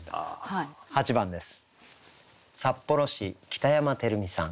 ８番です。